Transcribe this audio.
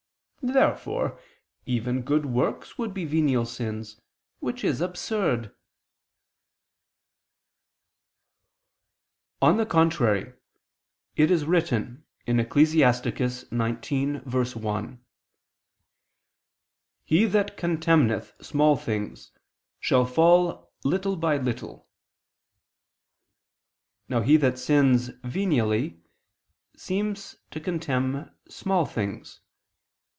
Therefore even good works would be venial sins, which is absurd. On the contrary, It is written (Ecclus. 19:1): "He that contemneth small things shall fall by little and little." Now he that sins venially seems to contemn small things.